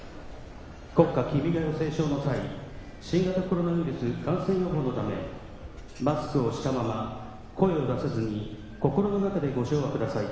国歌「君が代」斉唱の際新型コロナウイルスの感染予防のためマスクをしたまま声を出さずに心の中で、ご唱和ください。